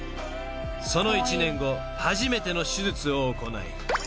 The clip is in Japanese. ［その１年後初めての手術を行い］